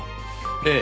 ええ。